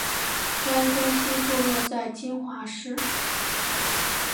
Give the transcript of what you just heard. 该公司坐落在金华市。